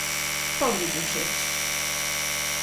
¡Pobriños eles!